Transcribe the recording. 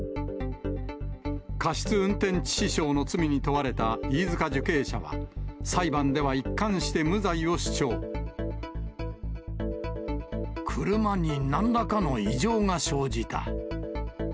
過失運転致死傷の罪に問われた飯塚受刑者は、車になんらかの異常が生じた。